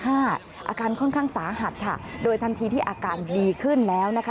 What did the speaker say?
อาการค่อนข้างสาหัสค่ะโดยทันทีที่อาการดีขึ้นแล้วนะคะ